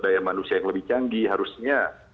daya manusia yang lebih canggih harusnya